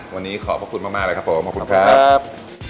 วันนี้ขอบพระคุณมากเลยครับผมขอบคุณครับ